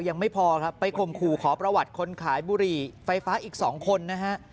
ยังไม่พอครับไปข่มขู่ขอประวัติคนขายบุหรี่ไฟฟ้าอีก๒คนนะฮะ